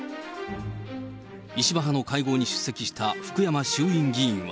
石破派の会合に出席した福山衆議院議員は。